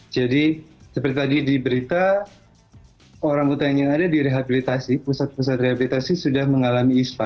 jadi seperti tadi diberita orang orang yang ada di rehabilitasi pusat pusat rehabilitasi sudah mengalami ispa